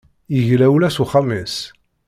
Yegla ula s uxxam-is.